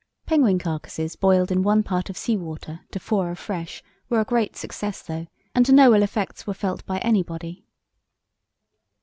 Penguin carcasses boiled in one part of sea water to four of fresh were a great success, though, and no ill effects were felt by anybody.